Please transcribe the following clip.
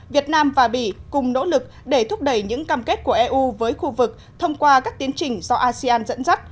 việt nam và bỉ cùng nỗ lực để thúc đẩy những cam kết của eu với khu vực thông qua các tiến trình do asean dẫn dắt